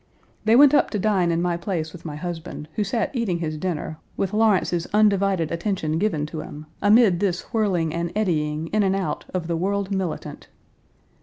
They went up to dine in my place with my husband, who sat eating his dinner, with Lawrence's undivided attention given to him, amid this whirling and eddying in and out of the world militant.